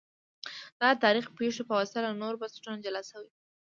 دا د تاریخي پېښو په واسطه له نورو بنسټونو جلا سوي